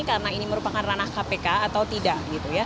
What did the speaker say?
karena ini merupakan ranah kpk atau tidak